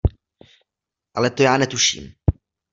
Ale to já netuším.